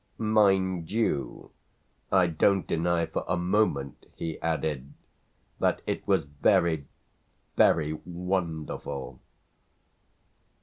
Mind you, I don't deny for a moment," he added, "that it was very, very wonderful!"